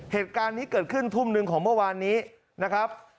เหตุการณ์นี้เกิดขึ้นทุ่มหนึ่งของเมื่อวานนี้นะครับ